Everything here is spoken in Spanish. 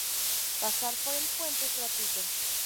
Pasar por el puente es gratuito.